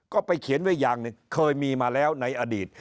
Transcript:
ก็ไปเขียนไว้อย่างหนึ่งเคยมีมาแล้วในอดีต